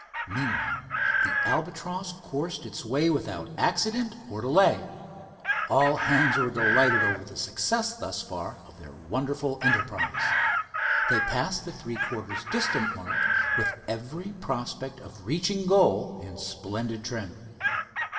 Meanwhile the Albatross coursed its way without accident or delay. All hands were delighted over the success thus far of their wonderful enterprise. They passed the three quarters distance mark with every prospect of reaching goal in splendid trim.